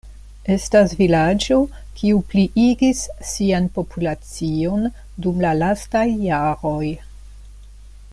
Estas vilaĝo kiu pliigis sian populacion dum la lastaj jaroj.